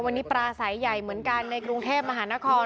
วันนี้ปลาสายใหญ่เหมือนกันในกรุงเทพมหานคร